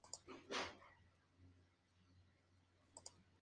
Agustín Rivero es perito psiquiatra forense.